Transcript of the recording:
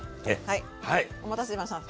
はいお待たせしました。